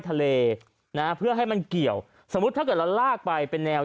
ทะเลนะเพื่อให้มันเกี่ยวสมมุติถ้าเกิดเราลากไปเป็นแนว